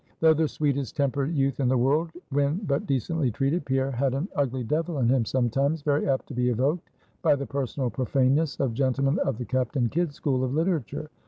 Though the sweetest tempered youth in the world when but decently treated, Pierre had an ugly devil in him sometimes, very apt to be evoked by the personal profaneness of gentlemen of the Captain Kidd school of literature.